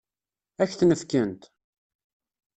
Ad k-ten-fkent?